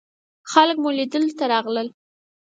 خلک مو لیدلو ته راغلل.